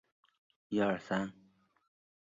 届时分享一下吧